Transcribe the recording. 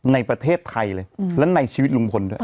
ในประเทศไทยเลยและในชีวิตลุงพลด้วย